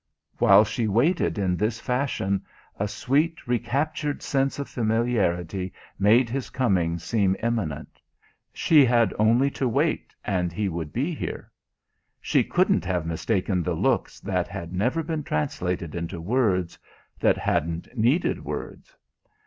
While she waited in this fashion a sweet, recaptured sense of familiarity made his coming seem imminent. She had only to wait and he would be here. She couldn't have mistaken the looks that had never been translated into words that hadn't needed words.